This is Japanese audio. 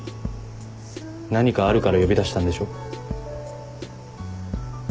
何かあるから呼び出したんでしょ？